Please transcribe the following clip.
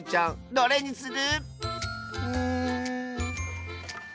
これにする！